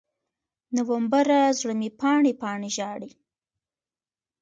نومبره، زړه مې پاڼې، پاڼې ژاړي